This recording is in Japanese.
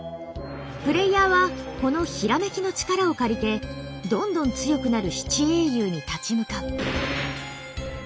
プレイヤーはこの閃きの力を借りてどんどん強くなる七英雄に立ち向かう。